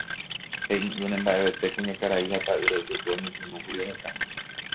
He'i'ỹre mba'evete kuñakarai ha ta'ýra ypykue oñepyrũkuri oheka.